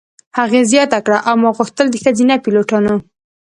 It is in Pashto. هغې زیاته کړه: "او ما غوښتل د ښځینه پیلوټانو.